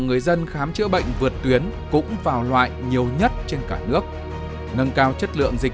người dân khám chữa bệnh vượt tuyến cũng vào loại nhiều nhất trên cả nước nâng cao chất lượng dịch